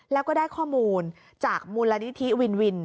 แล้วก็ได้ข้อมูลจากมูลนิธิวินวิน